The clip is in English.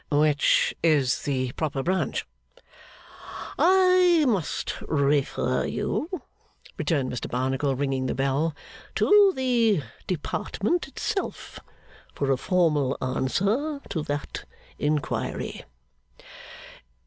'Which is the proper branch?' 'I must refer you,' returned Mr Barnacle, ringing the bell, 'to the Department itself for a formal answer to that inquiry.